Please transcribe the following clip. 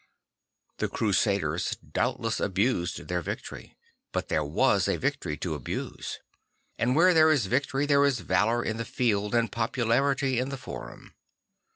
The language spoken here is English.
The Crusaders doubtless abused their victory, but there was a victory to abuse. And where there is victory there is valour in the field and popularity in the forum.